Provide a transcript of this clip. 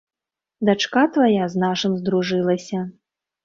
Дачка твая з нашым здружылася.